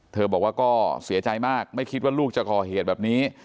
บอกว่าก็เสียใจมากไม่คิดว่าลูกจะก่อเหตุแบบนี้